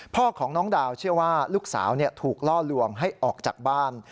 พ่อของน้องดาวเชื่อว่าลูกสาวถูกล่อลวงให้ออกจากบ้าน